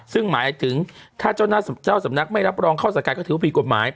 ซึ่งหมายถึงถ้าเจ้าสำนักไม่รับรองเข้าสังกัดก็ถือว่าผิดกฎหมาย